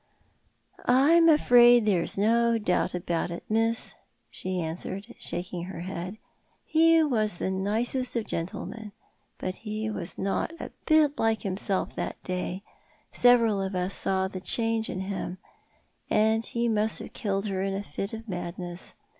"I'm afraid there's no doubt about it, miss," she answered, shaking her head. " He was the nicest of gentlemen — but he was not a bit like himself that day— several of us saw the change in him — and he must have killed her in a fit of madness.